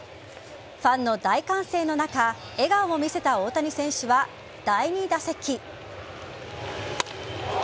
ファンの大歓声の中笑顔も見せた大谷選手は第２打席。